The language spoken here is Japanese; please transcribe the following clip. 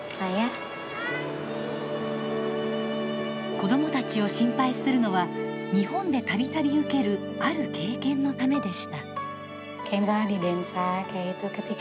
子供たちを心配するのは日本で度々受けるある経験のためでした。